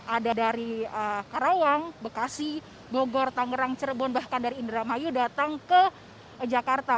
ada dari karawang bekasi bogor tangerang cirebon bahkan dari indramayu datang ke jakarta